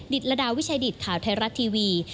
ดิดละดาวิชาดิดข่าวไทยรัฐทีวี